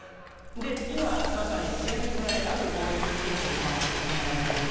今まさに現在ある望遠鏡でそういう観測が行われてる。